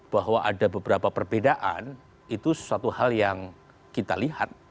bahwa ada beberapa perbedaan itu suatu hal yang kita lihat